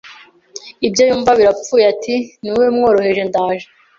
ibye yumva birapfuye Ati Nimube mworoheje ndaje